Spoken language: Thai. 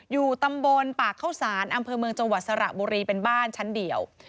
อยู่ตำบลปากเข้าสารอำเภอเมืองจังหวัดสระบุรีเป็นบ้านชั้นเดียว